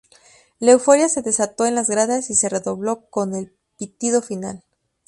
La euforia se desató en las gradas y se redobló con el pitido final.